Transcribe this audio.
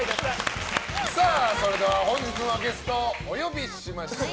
それでは本日のゲストお呼びしましょう。